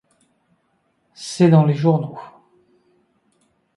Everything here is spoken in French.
C’est dans les journaux.